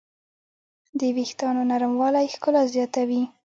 د وېښتیانو نرموالی ښکلا زیاتوي.